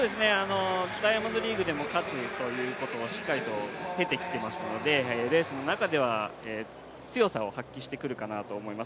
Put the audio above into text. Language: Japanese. ダイヤモンドリーグでも勝つことを経てきていますのでレースの中では、強さを発揮してくるかなと思います。